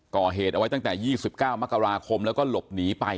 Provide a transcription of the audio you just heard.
ก่อเหตุเอาไว้ตั้งแต่๒๙มกราคมแล้วก็หลบหนีไป